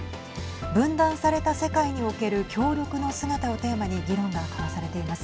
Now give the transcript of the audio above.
分断された世界における協力の姿をテーマに議論が交わされています。